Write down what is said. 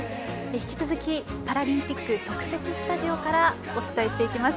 引き続きパラリンピック特設スタジオからお伝えします。